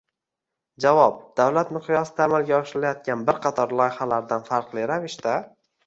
Javob: «Davlat miqyosida amalga oshirilayotgan bir qator loyihalardan farqli ravishda